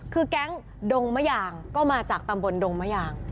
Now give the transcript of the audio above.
คือแก๊งดงมะยางก็มาจากตำบลดงมะยาง